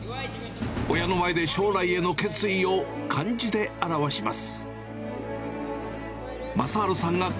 親の前で将来への決意を漢字で表します。